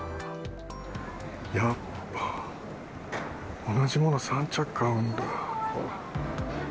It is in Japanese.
やっぱ同じもの３着買うんだ。